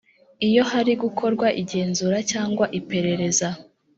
iyo hari gukorwa igenzura cyangwa iperereza